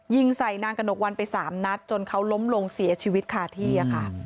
ยิงใส่นางกระหนกวันไป๓นัดจนเขาล้มลงเสียชีวิตคาที่ค่ะ